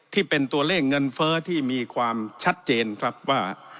ที่เป็นตัวเลขเงินเฟ้อที่มีความชัดเจนครับว่า